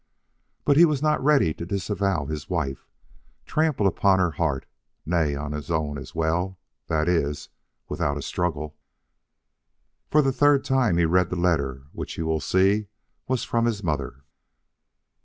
But he was not yet ready to disavow his wife, trample upon her heart, nay on his own as well; that is, without a struggle. For the third time he read the letter which you will see was from his mother.